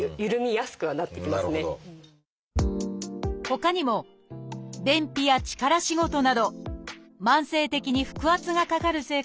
ほかにも便秘や力仕事など慢性的に腹圧がかかる生活も